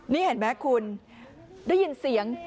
นี่เห็นไหมคุณได้ยินเสียง